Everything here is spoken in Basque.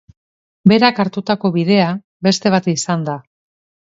Berak hartutako bidea beste bat izan da.